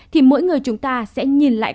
thì mỗi người chúng ta sẽ nhìn lại